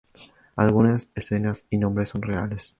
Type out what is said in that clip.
Algunas escenas y nombres son reales.